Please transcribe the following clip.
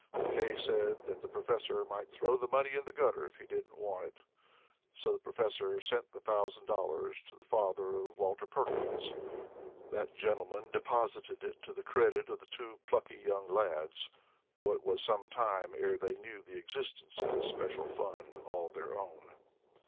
McKay said the professor might throw the money in the gutter if he didn't want it, so the professor sent the thousand dollars to the father of Walter Perkins. That gentleman deposited it to the credit of the two plucky young lads, though it was some time ere they knew the existence of this special fund, all their own.